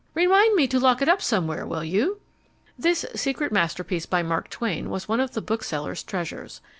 Remind me to lock it up somewhere, will you?" This secret masterpiece by Mark Twain was one of the bookseller's treasures.